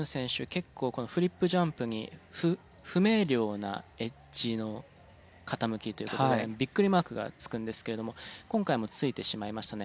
結構このフリップジャンプに不明瞭なエッジの傾きという事でビックリマークが付くんですけれども今回も付いてしまいましたね。